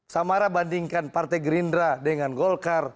samara bandingkan partai gerindra dengan golkar